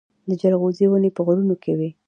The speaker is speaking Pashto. د جلغوزي ونې په غرونو کې وي